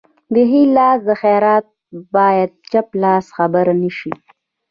د ښي لاس خیرات باید چپ لاس خبر نشي.